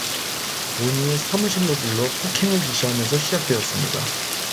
본이의 사무실로 불러 폭행을 지시하면서 시작되었습니다.